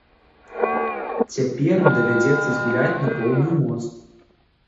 Цяпер ім давядзецца згуляць на поўную моц.